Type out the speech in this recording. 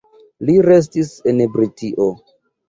Li restis en Britio.